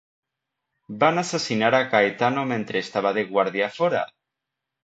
Van assassinar a Gaetano mentre estava de guàrdia a fora.